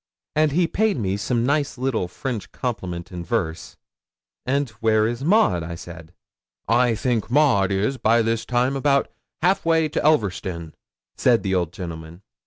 'And he paid me some nice little French compliment in verse. '"And where is Maud?" said I. '"I think Maud is by this time about halfway to Elverston," said the old gentleman.